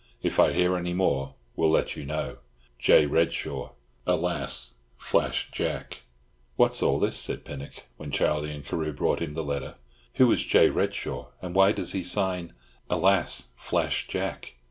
If I hear any more will let you know. J. REDSHAW, alas 'Flash Jack.'" "What's all this?" said Pinnock, when Charlie and Carew brought him the letter. "Who is J. Redshaw, and why does he sign "alas Flash Jack?"